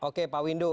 oke pak windu